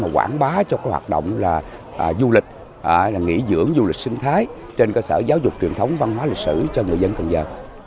quảng bá cho hoạt động du lịch nghỉ dưỡng du lịch sinh thái trên cơ sở giáo dục truyền thống văn hóa lịch sử cho người dân cần giờ